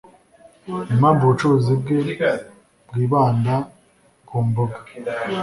impamvu ubucuruzi bwe bwibanda ku mboga